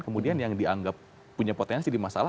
kemudian yang dianggap punya potensi di masalah